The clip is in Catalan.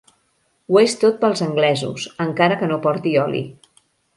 Ho és tot pels anglesos, encara que no porti oli.